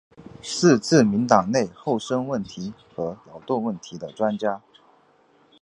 是自民党内厚生问题和劳动问题的专家。